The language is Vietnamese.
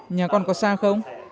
nhà con có xa không